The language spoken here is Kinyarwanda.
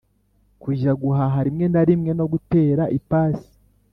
kujya guhaha rimwe na rimwe no gutera ipasi.